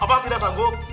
apa tidak sanggup